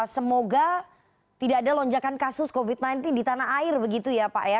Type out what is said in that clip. semoga tidak ada lonjakan kasus covid sembilan belas di tanah air begitu ya pak ya